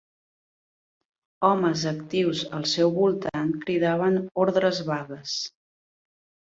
Homes actius al seu voltant cridaven ordres vagues.